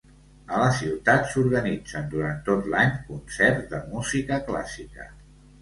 A la ciutat s'organitzen, durant tot l'any, concerts de música clàssica.